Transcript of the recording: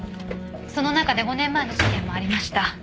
その中で５年前の事件もありました。